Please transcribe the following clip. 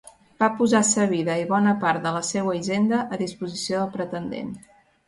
Va posar sa vida i bona part de la seua hisenda a disposició del Pretendent.